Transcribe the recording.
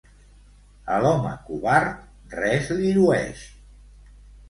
A l'home covard, res li llueix.